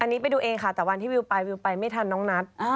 อันนี้ไปดูเองค่ะแต่วันที่วิวไปวิวไปไม่ทันน้องนัท